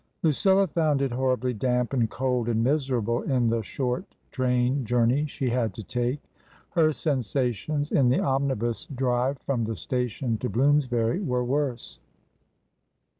LuciLLA found it horribly damp and cold and miserable in the short train journey <!he had to take ; her sensations in the omnibus drive from the station to Bloomsbury were worse.